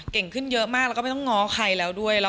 เก่งขึ้นเยอะมากแล้วก็ไม่ต้องง้อใครแล้วด้วย